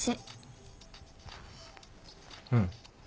うん。